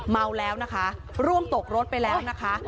เมาแล้วนะคะร่วงตกรถไปแล้วนะคะ